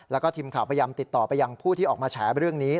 แล้วก็ทีมข่าวพยายามติดต่อไปยังผู้ที่ออกมาแฉเรื่องนี้